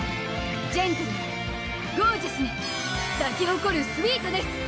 ジェントルにゴージャスに咲き誇るスウィートネス！